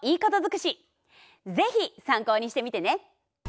ぜひ参考にしてみてね。